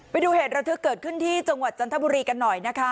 ไปดูเหตุระทึกเกิดขึ้นที่จังหวัดจันทบุรีกันหน่อยนะคะ